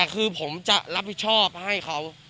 คือผมจะรับผิดชอบให้เขา